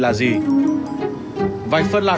là cô bị tai nạn